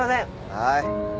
はい。